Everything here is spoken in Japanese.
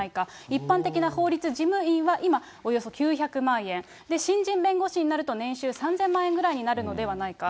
一般的な法律事務員は今、およそ９００万円、新人弁護士になると、年収３０００万円ぐらいになるのではないか。